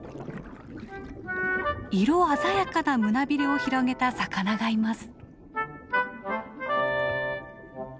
色鮮やかな胸びれを広げた魚がいます。